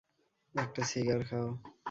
একটা সিগার খাও।